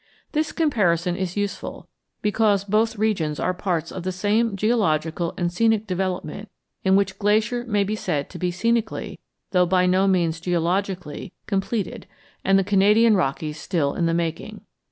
This comparison is useful because both regions are parts of the same geological and scenic development in which Glacier may be said to be scenically, though by no means geologically, completed and the Canadian Rockies still in the making.